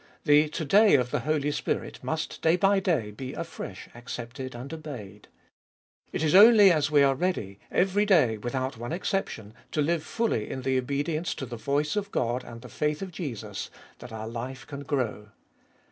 The To day of the Holy Spirit must day by day be afresh accepted and obeyed. It is only as we are ready, every day without one exception, to live fully in the obedience to the voice of God and the faith of Jesus, that our life can grow.